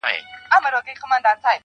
د وحشت؛ په ښاریه کي زندگي ده.